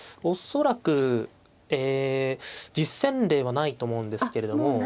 恐らくえ実戦例はないと思うんですけれども。